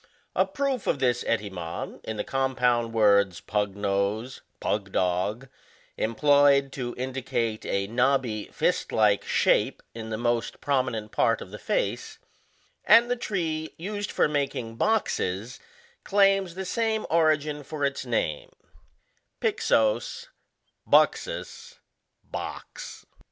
A proof of this etymon, in the compound words pug nose, pug dog, employed to indicate a knobby, fist like, shape in the most prominent part of the face; and the tree, used for making bomes, claims the same origin for its name, trvloQy buJTUS, box.